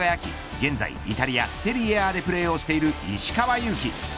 現在、イタリアセリエＡでプレーしている石川祐希。